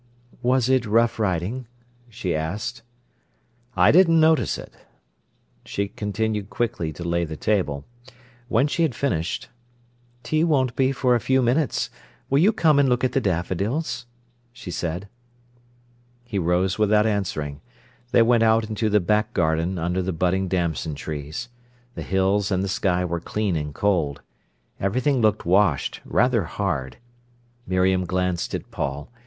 "Was it rough riding?" she asked. "I didn't notice it." She continued quickly to lay the table. When she had finished— "Tea won't be for a few minutes. Will you come and look at the daffodils?" she said. He rose without answering. They went out into the back garden under the budding damson trees. The hills and the sky were clean and cold. Everything looked washed, rather hard. Miriam glanced at Paul.